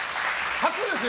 初ですよ